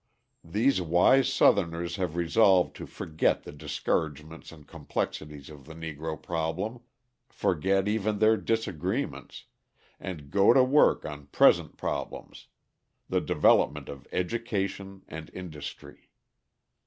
These wise Southerners have resolved to forget the discouragements and complexities of the Negro problem, forget even their disagreements, and go to work on present problems: the development of education and industry.